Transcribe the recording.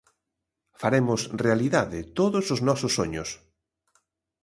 Faremos realidade todos os noso soños.